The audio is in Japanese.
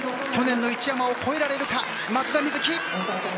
去年の一山を超えられるか松田瑞生。